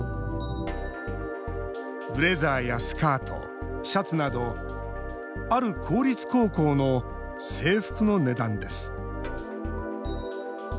ブレザーやスカート、シャツなど、ある公立高校の制服の値段です。